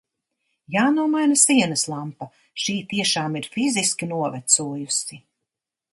Jānomaina sienas lampa, šī tiešām ir fiziski novecojusi.